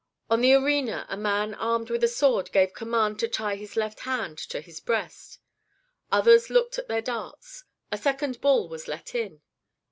On the arena a man armed with a sword gave command to tie his left hand to his breast; others looked at their darts a second bull was let in.